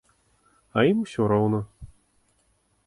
А ім усё роўна.